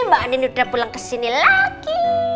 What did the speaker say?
mbak anitta udah pulang kesini lagi